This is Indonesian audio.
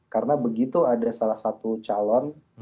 karena begitu ada salah satu calon